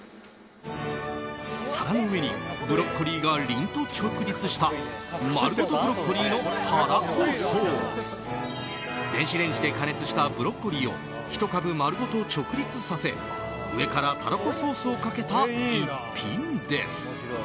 皿の上にブロッコリーがりんと直立したまるごとブロッコリーのたらこソース電子レンジで加熱したブロッコリーをひと株丸ごと直立させ上からタラコソースをかけた一品です。